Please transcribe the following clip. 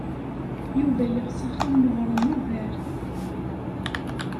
Yuba yeɣs axxam meɣɣren ugar.